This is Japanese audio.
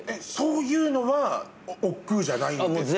そういうのはおっくうじゃないんですか。